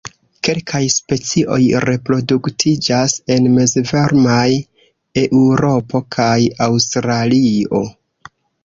Kelkaj specioj reproduktiĝas en mezvarmaj Eŭropo kaj Aŭstralio.